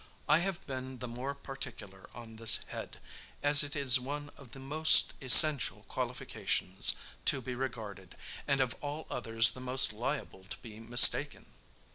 I have been the more particular on this head, as it is one of the most essential qualifications to be regarded, and of all others the most liable to be mistaken.